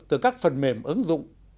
từ các phần mềm ứng dụng